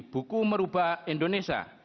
buku merubah indonesia